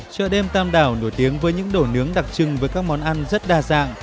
chợ đêm tam đảo nổi tiếng với những đổ nướng đặc trưng với các món ăn rất đa dạng